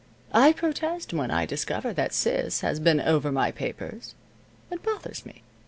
I protest when I discover that Sis has been over my papers. It bothers me.